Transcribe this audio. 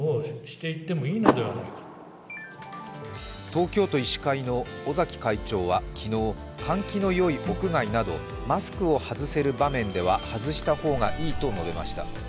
東京都医師会の尾崎会長は昨日、換気のよい屋外などマスクを外せる場面では外した方がいいと述べました。